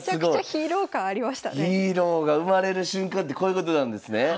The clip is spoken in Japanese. ヒーローが生まれる瞬間ってこういうことなんですね。